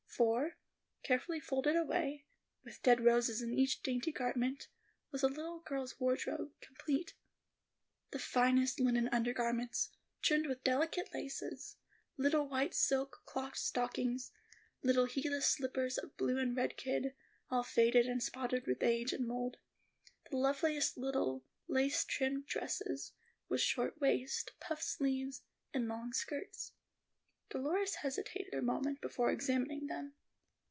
For, carefully folded away, with dead roses in each dainty garment, was a little girl's wardrobe, complete,—the finest linen undergarments, trimmed with delicate laces, little white silk clocked stockings, little heelless slippers of blue and red kid, all faded and spotted with age and mould; the loveliest little lace trimmed dresses with short waists, puffed sleeves, and long skirts. Dolores hesitated a moment before examining them.